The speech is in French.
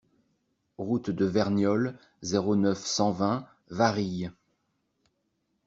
Route de Verniolle, zéro neuf, cent vingt Varilhes